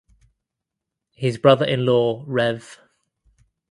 His brother in law Rev.